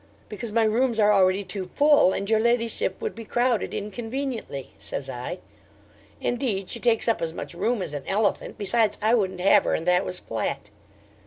'"Because my rooms are already too full, and your ladyship would be crowded inconveniently," says I; indeed she takes up as much room as an elephant: besides I wouldn't have her, and that was flat.